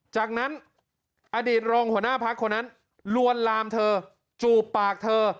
จากนั้นอดีตรองหัวหน้าพักคนนั้นลวนลามเธอจูบปากเธอ